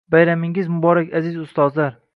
Bayramingiz muborak, aziz ustozlar!